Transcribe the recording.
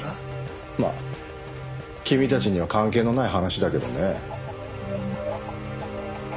まあ君たちには関係のない話だけどね。